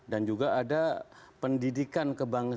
dan juga ada pendidikan kebangsaan